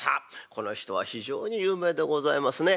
この人は非常に有名でございますね。